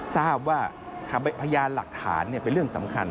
ทราบว่าพยานหลักฐานเป็นเรื่องสำคัญ